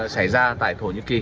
xảy ra tại thổ nhĩ kỳ